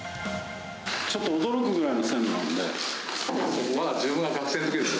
ちょっと驚くぐらいの鮮度なまだ自分が学生のときです。